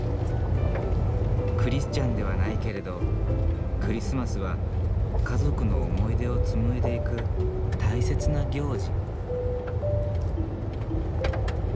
クリスチャンではないけれどクリスマスは家族の思い出を紡いでいく大切な行事。